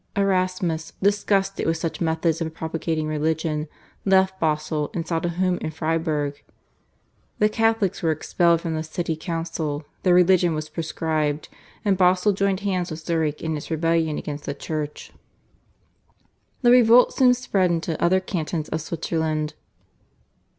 Erasmus, disgusted with such methods of propagating religion, left Basle and sought a home in Freiburg. The Catholics were expelled from the city council, their religion was proscribed, and Basle joined hands with Zurich in its rebellion against the Church. The revolt soon spread into other cantons of Switzerland.